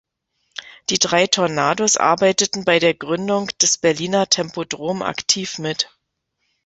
Die drei Tornados arbeiteten bei der Gründung des Berliner Tempodrom aktiv mit.